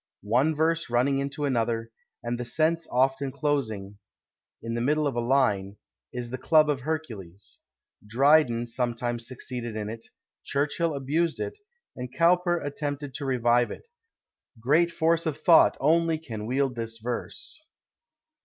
One verse running into another, and the sense often closing in the middle of a line, is the Club of Hercules; Dryden sometimes succeeded in it, Churchill abused it, and Cowper attempted to revive it. Great force of thought only can wield this verse.